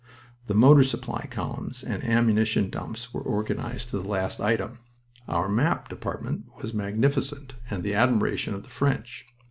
The motor supply columns and ammunition dumps were organized to the last item. Our map department was magnificent, and the admiration of the French.